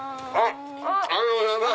ありがとうございます！